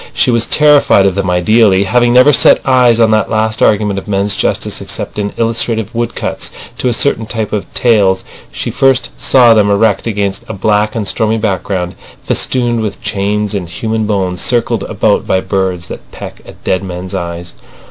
She was terrified of them ideally. Having never set eyes on that last argument of men's justice except in illustrative woodcuts to a certain type of tales, she first saw them erect against a black and stormy background, festooned with chains and human bones, circled about by birds that peck at dead men's eyes.